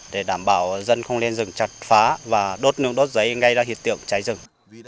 để đảm bảo dân không lên rừng chặt phá và đốt nương đốt rẫy ngay ra hiện tiệm cháy rừng